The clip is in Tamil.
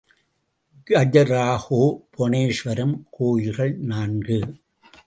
கஜுராஹோ புவனேஸ்வரம் கோயில்கள் நான்கு.